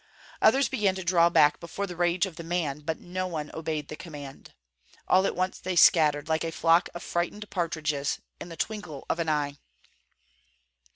Others began to draw back before the rage of the man, but no one obeyed the command. All at once they scattered, like a flock of frightened partridges, in the twinkle of an eye.